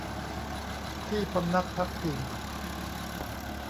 ที่พำนักพักพิง